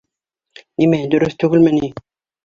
Нимә, дөрөҫ түгелме ни?